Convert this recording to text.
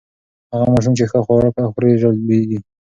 هغه ماشوم چې ښه خواړه خوري، ژر لوییږي.